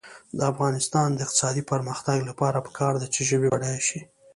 د افغانستان د اقتصادي پرمختګ لپاره پکار ده چې ژبې بډایه شي.